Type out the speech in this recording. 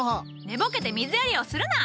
寝ぼけて水やりをするな！